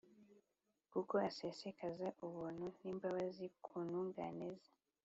kuko asesekaza ubuntu n’imbabazi ku ntungane ze,